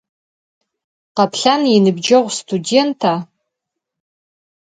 Kheplhan yinıbceğu studênta?